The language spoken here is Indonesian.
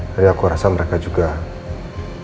jadi aku rasa mereka juga bener bener keren